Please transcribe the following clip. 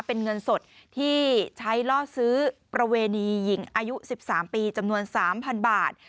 เป็นเงินสดที่ใช้ล่อซื้อประเวณีหญิงอายุ๑๓ปีจำนวน๓๐๐๐บาท